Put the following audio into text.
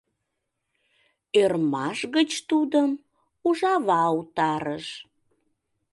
Ӧрмаш гыч тудым ужава утарыш.